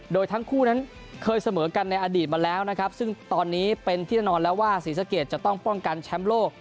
โดยทั้งคู่นั้นเคยเสมอกันในอดีตมาแล้วนะครับซึ่งตอนนี้เป็นที่แน่นอนแล้วว่าศรีสะเกดจะต้องป้องกันแชมป์โลก